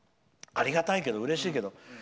ありがたいけど、うれしいけど。